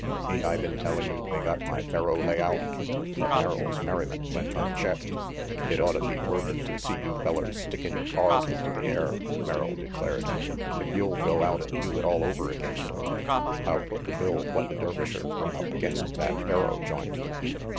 Ain't I been telling you they got my faro layout?" But Merrill's merriment went unchecked. "It oughta be worth it to see you fellers sticking yer paws into the air," Merrill declared. "If you'll go out and do it all over again, Tony, I'll foot the bill what the Dervishers run up against that faro joint."